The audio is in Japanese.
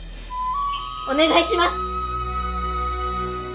お願いします！